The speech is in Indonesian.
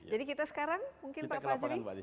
jadi kita sekarang mungkin pak fadzli ke lapangan